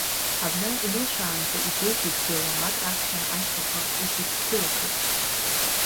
Абна инылшәаанӡа, игәеиҭеит ӡиа уамак раԥхьа ашьхақәа ишрыгәҭылакыз.